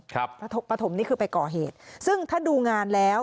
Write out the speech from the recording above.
ประถมปฐมนี่คือไปก่อเหตุซึ่งถ้าดูงานแล้ว